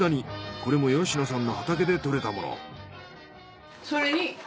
これも吉野さんの畑で採れたもの。